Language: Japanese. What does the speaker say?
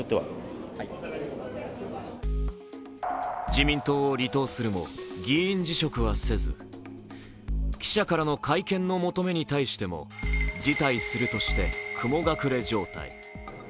自民党を離党するも議員辞職はせず、記者からの会見の求めに対しても、辞退するとして雲隠れ状態。